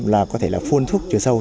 là có thể là phun thuốc trừ sâu